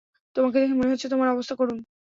তোমাকে দেখে মনে হচ্ছে তোমার অবস্থা করুণ।